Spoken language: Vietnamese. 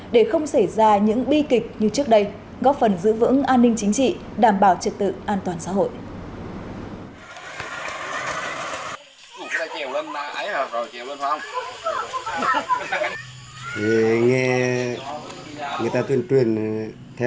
để không xảy ra những bi kịch như trước đây góp phần giữ vững an ninh chính trị